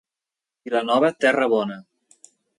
Vilanova, terra bona.